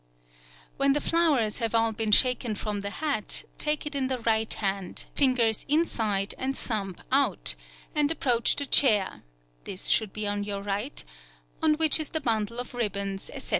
When the flowers have all been shaken from the hat, take it in the right hand, fingers inside and thumb out, and approach the chair (this should be on your right) on which is the bundle of ribbons, etc.